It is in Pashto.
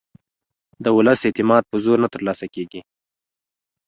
د ولس اعتماد په زور نه ترلاسه کېږي